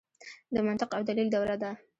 د منطق او دلیل دوره ده.